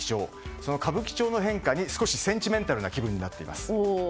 その歌舞伎町の変化に少しセンチメンタルな気分になっています。